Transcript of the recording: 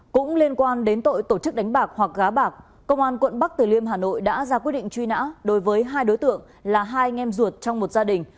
công an quận bắc tử liêm hà nội đã ra quyết định truy nã đối với hai đối tượng là hai nghem ruột trong một gia đình